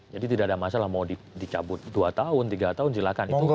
jadi tidak ada masalah mau dicabut dua tahun tiga tahun silahkan